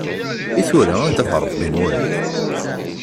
I tura anda-t Ṛebbi-nwen?